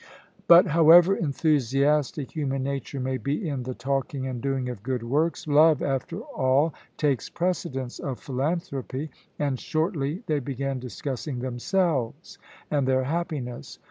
But however enthusiastic human nature may be in the talking and doing of good works, love after all takes precedence of philanthropy, and shortly they began discussing themselves and their happiness.